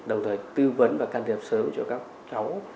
đồng thời tư vấn và can thiệp sớm cho các cháu